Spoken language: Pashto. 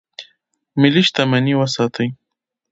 ملي شتمني وساتئ